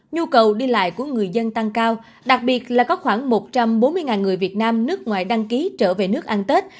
nhu cầu đi lại của người dân tăng cao đặc biệt là có khoảng một trăm bốn mươi người việt nam nước ngoài đăng ký trở về nước ăn tết